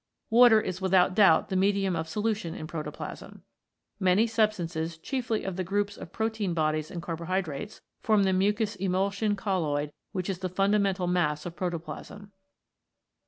Water is without doubt the medium of solution in protoplasm. Many substances, chiefly of the groups of protein bodies and carbohydrates, form the mucous emulsion colloid which is the fundamental mass of protoplasm.